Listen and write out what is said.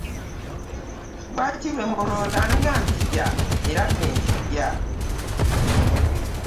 Lwaki lwe muloota nga nzija era lwe nzija?